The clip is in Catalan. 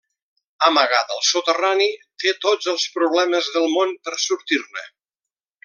Amagat al soterrani, té tots els problemes del món per sortir-ne.